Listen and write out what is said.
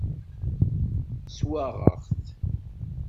Swaɣeɣ-t.